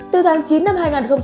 từ tháng chín năm hai nghìn hai mươi